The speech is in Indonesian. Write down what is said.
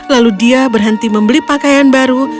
lalu dia berhenti membeli pakaian baru